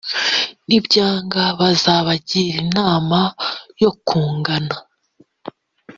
nibyanga bazabagira inama yo kugana